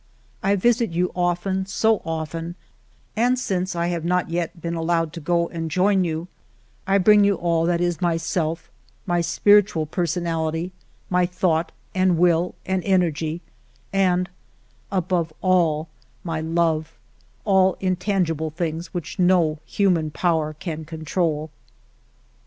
I visit you often, so often, and since 1 have not yet been al lowed to go and join you, I bring you all that is myself, my spiritual personality, my thought and will and energv, and, above all, my love, — all intangible things which no human power can con trol."